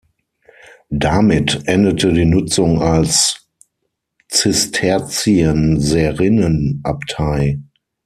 Damit endete die Nutzung als Zisterzienserinnenabtei.